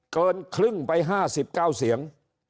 เกินครึ่งไป๕๙เสียง